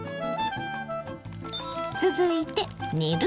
続いて「煮る」